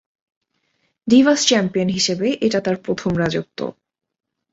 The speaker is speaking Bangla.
ডিভাস চ্যাম্পিয়ন হিসেবে এটা তার প্রথম রাজত্ব।